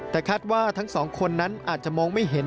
แต่คาดว่าทั้งสองคนนั้นอาจจะมองไม่เห็น